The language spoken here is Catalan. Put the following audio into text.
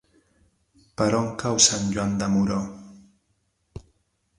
Per on cau Sant Joan de Moró?